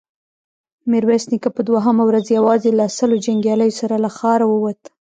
ميرويس نيکه په دوهمه ورځ يواځې له سلو جنګياليو سره له ښاره ووت.